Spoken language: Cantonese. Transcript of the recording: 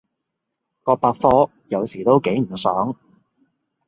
個百科有時都幾唔爽